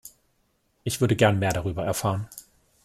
Ich würde gern mehr darüber erfahren.